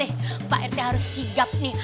eh pak rt pak rt harus sigap nih